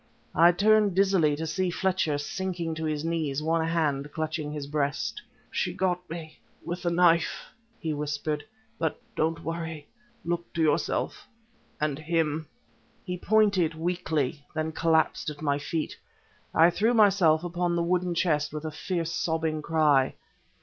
I turned, dizzily, to see Fletcher sinking to his knees, one hand clutching his breast. "She got me ... with the knife," he whispered. "But ... don't worry ... look to yourself, and ..._him_...." He pointed, weakly then collapsed at my feet. I threw myself upon the wooden chest with a fierce, sobbing cry.